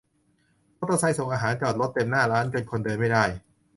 มอเตอร์ไซค์ส่งอาหารจอดรถเต็มหน้าร้าน จนคนเดินไม่ได้